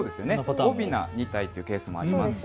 おびな２体というケースもありますし